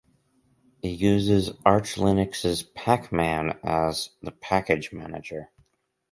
It uses Arch Linux's Pacman as the package manager.